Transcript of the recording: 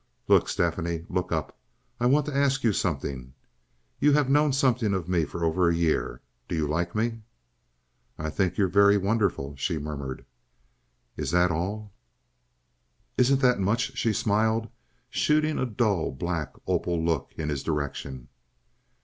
"Look, Stephanie! Look up! I want to ask you something. You have known something of me for over a year. Do you like me?" "I think you're very wonderful," she murmured. "Is that all?" "Isn't that much?" she smiled, shooting a dull, black opal look in his direction.